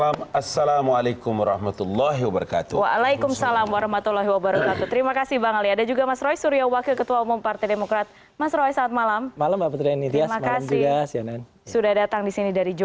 mau lihat yang full dulu yang lengkap dulu